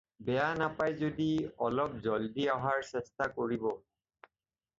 বেয়া নাপায় যদি অলপ জলদি অহাৰ চেষ্টা কৰিব।